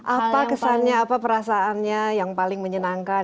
apa kesannya apa perasaannya yang paling menyenangkan